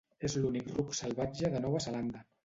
És l'únic ruc salvatge de Nova Zelanda.